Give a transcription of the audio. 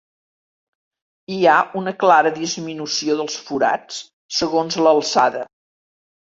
Hi ha una clara disminució dels forats segons l'alçada.